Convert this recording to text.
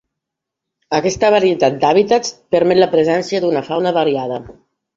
Aquesta varietat d'hàbitats permet la presència d'una fauna variada.